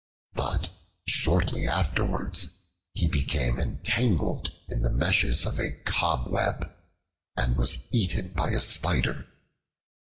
But shortly afterwards he became entangled in the meshes of a cobweb and was eaten by a spider.